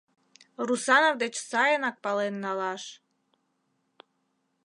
Русанов деч сайынак пален налаш.